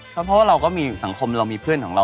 เพราะว่าเราก็มีสังคมเรามีเพื่อนของเรา